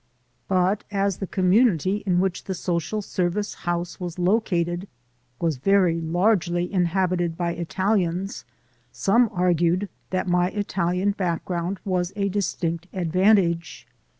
But, as the com munity in which the social service house was located 220 THE SOUL OF AN IMMIGRANT was very largely inhabited by Italians, some argued that my Italian background was a distinct advan tage.